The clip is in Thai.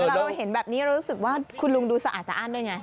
เราเห็นแบบนี้เรารู้สึกว่าคุณลุงดูสะอาดสะอ้านด้วยไง